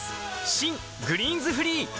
新「グリーンズフリー」